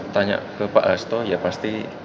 tanya ke pak hasto ya pasti